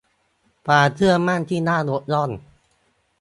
ความเชื่อมั่นที่น่ายกย่อง